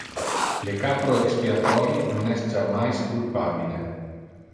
Le capro expiatori non es jammais culpabile.